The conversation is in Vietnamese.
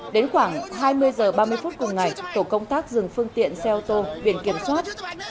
đến khoảng hai mươi h ba mươi phút cùng ngày tổ công tác dừng phương tiện xe ô tô biển kiểm soát